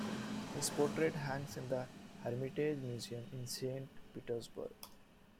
His portrait hangs in the Hermitage Museum in Saint Petersburg.